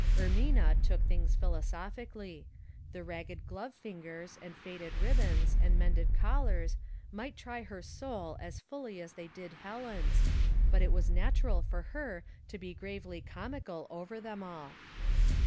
Erraina took things philo sophically ; the ragged glove fingers, and faded ribbons, and mended collars, might try her soul as fully as they did Helen's, but it was natural for her to be gravely comical over them all.